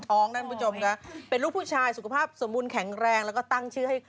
ข้อละออกมาเป็นผู้หญิงเจ้านั้นจะเป็นเลขอับไรนะคะ